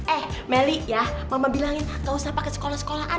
eh melly ya mama bilangin gak usah pakai sekolah sekolahan